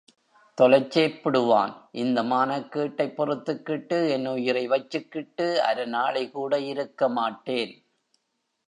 தொலைச்சேப்புடுவான் இந்த மானக்கேட்டைப் பொறுத்துக்கிட்டு என் உயிரை வச்சிக்கிட்டு அரநாளிகூட இருக்கமாட்டேன்.